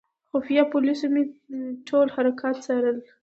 خفیه پولیسو مې ټول حرکات څارل.